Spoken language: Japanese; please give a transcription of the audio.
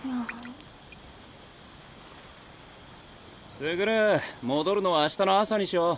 傑戻るのは明日の朝にしよう。